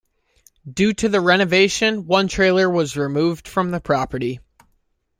Due to the renovation, one trailer was removed from the property.